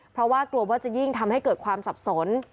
เพราะว่ากลัวว่าจะยิ่งทำให้เกิดความสับสน